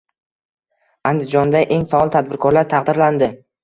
Andijonda eng faol tadbirkorlar taqdirlandi